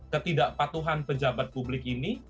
ketidakpatuhan pejabat publik ini